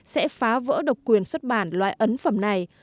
sẽ phá vỡ độc quyền xuất bản loại ấn phẩm này